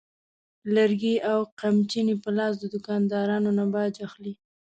لرګي او قمچینې په لاس د دوکاندارانو نه باج اخلي.